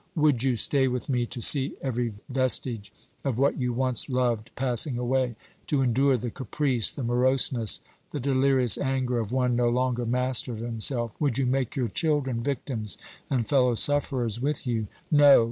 Would you stay with me, to see every vestige of what you once loved passing away to endure the caprice, the moroseness, the delirious anger of one no longer master of himself? Would you make your children victims and fellow sufferers with you? No!